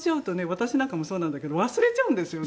私なんかもそうなんだけど忘れちゃうんですよね。